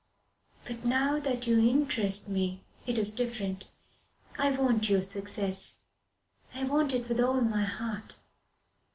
But now that you interest me, it is different. I want your success. I want it with all my heart.